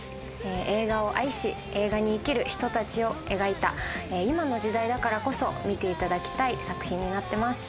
映画を愛し、映画に生きる人たちを描いた今の時代だからこそ見ていただきたい作品になっています。